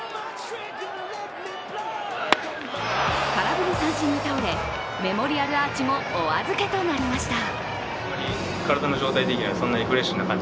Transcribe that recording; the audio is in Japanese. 空振り三振に倒れ、メモリアルアーチもお預けとなりました。